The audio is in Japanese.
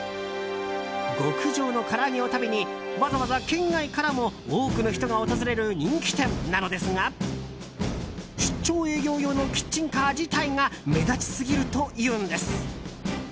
極上のから揚げを食べにわざわざ県外からも多くの人が訪れる人気店なのですが出張営業用のキッチンカー自体が目立ちすぎるというんです。